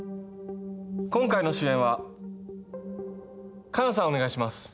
今回の主演はかなさんお願いします。